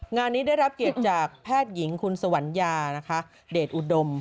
งานนี้ได้รับเกียรติจากแพทย์หญิงคุณสวัญญานะคะเดชอุดม